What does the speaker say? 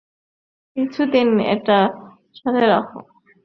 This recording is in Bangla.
কিছুদিন এটা সাথে রাখো।